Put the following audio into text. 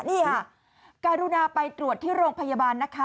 นี่ค่ะการุณาไปตรวจที่โรงพยาบาลนะคะ